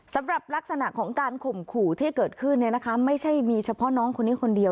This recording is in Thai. สำหรับลักษณะของการข่มขู่ที่เกิดขึ้นไม่ใช่มีเฉพาะน้องคนนี้คนเดียว